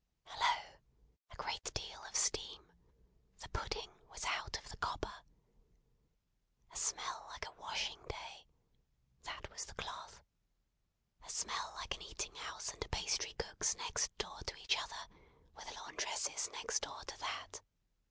Hallo! A great deal of steam! The pudding was out of the copper. A smell like a washing day! That was the cloth. A smell like an eating house and a pastrycook's next door to each other, with a laundress's next door to that!